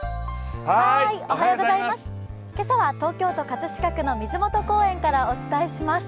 今朝は東京都葛飾区の水元公園からお伝えします。